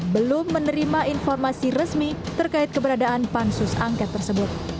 belum menerima informasi resmi terkait keberadaan pansus angket tersebut